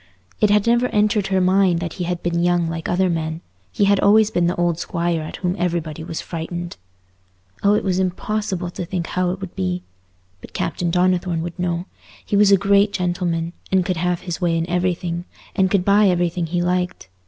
It had never entered her mind that he had been young like other men; he had always been the old Squire at whom everybody was frightened. Oh, it was impossible to think how it would be! But Captain Donnithorne would know; he was a great gentleman, and could have his way in everything, and could buy everything he liked.